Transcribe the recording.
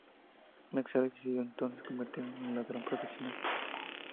Maxwell decidió entonces convertirse en un ladrón profesional.